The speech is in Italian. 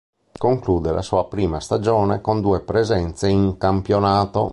Conclude la sua prima stagione con due presenze in campionato.